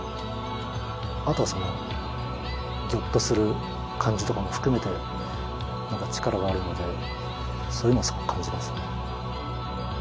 あとはギョッとする感じとかも含めて力があるのでそういうのをすごく感じますね。